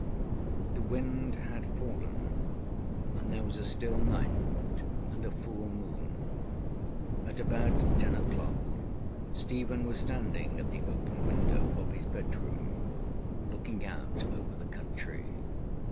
The wind had fallen, and there was a still night and a full moon. At about ten oŌĆÖclock Stephen was standing at the open window of his bedroom, looking out over the country.